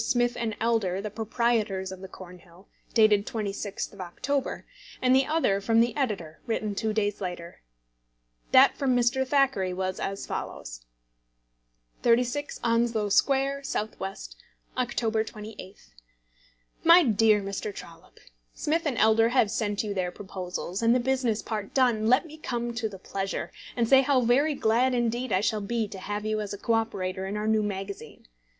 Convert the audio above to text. Smith & Elder, the proprietors of the Cornhill, dated 26th of October, and the other from the editor, written two days later. That from Mr. Thackeray was as follows: 36 Onslow Square, S.W., October 28th. MY DEAR MR. TROLLOPE, Smith & Elder have sent you their proposals; and the business part done, let me come to the pleasure, and say how very glad indeed I shall be to have you as a co operator in our new magazine.